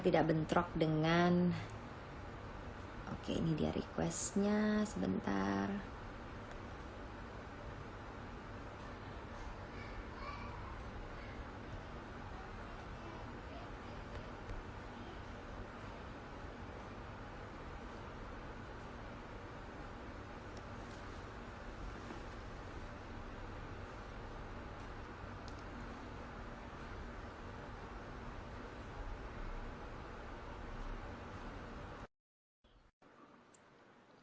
linus tulis ab testing jika pernah kesimpulan